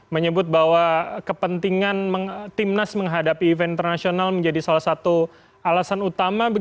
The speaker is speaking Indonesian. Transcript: menyebut bahwa kepentingan timnas menghadapi event internasional menjadi salah satu alasan utama